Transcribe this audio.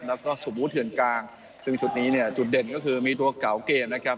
แล้วก็สมมุติเถื่อนกลางซึ่งชุดนี้เนี่ยจุดเด่นก็คือมีตัวเก่าเกมนะครับ